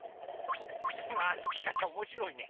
そのあるきかたおもしろいね。